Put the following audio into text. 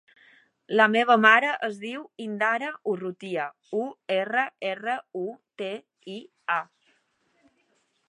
La meva mare es diu Indara Urrutia: u, erra, erra, u, te, i, a.